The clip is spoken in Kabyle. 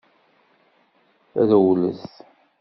Rewlet!